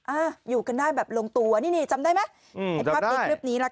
อ่ะอยู่กันได้แบบลงตัวนี่นี่จำได้ไหมอืมไอ้ภาพนี้คลิปนี้ล่ะค่ะ